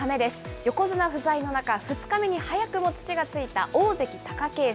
横綱不在の中、２日目に早くも土がついた大関・貴景勝。